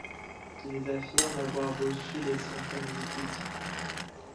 Ils affirment avoir reçu des centaines de soutiens.